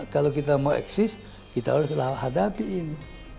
kalau kita mau eksis kita harus hadapi ini